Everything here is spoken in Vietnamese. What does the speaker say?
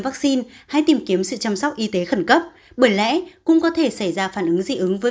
vaccine hãy tìm kiếm sự chăm sóc y tế khẩn cấp bởi lẽ cũng có thể xảy ra phản ứng dị ứng với